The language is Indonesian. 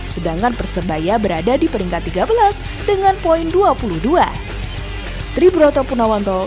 sedangkan persebaya berada di peringkat tiga belas dengan poin dua puluh dua